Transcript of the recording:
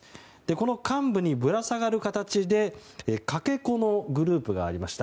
この幹部にぶら下がる形でかけ子のグループがありました。